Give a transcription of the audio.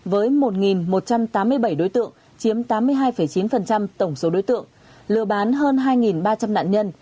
với một một trăm tám mươi bảy đối tượng chiếm tám mươi hai chín tổng số đối tượng lừa bán hơn hai ba trăm linh nạn nhân